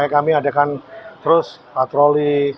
kami adakan terus patroli